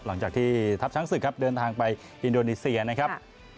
หลังจากที่ทัพช้างศึกครับเดินทางไปอินโดนีเซียนะครับ